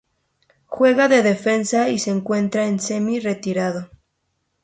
Juega de defensa y se encuentra semi-retirado.